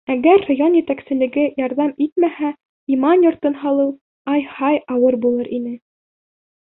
Әгәр район етәкселеге ярҙам итмәһә, иман йортон һалыуы, ай-һай, ауыр булыр ине.